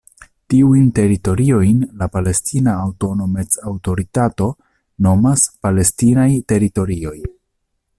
Tiujn teritoriojn la Palestina Aŭtonomec-Aŭtoritato nomas "palestinaj teritorioj".